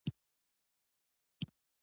کچالو د مینې خوراک دی